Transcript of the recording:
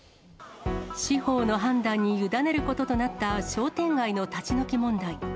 司法の判断に委ねることとなった商店街の立ち退き問題。